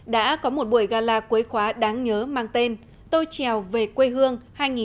đã có một buổi gala quấy khóa đáng nhớ mang tên tôi trèo về quê hương hai nghìn một mươi chín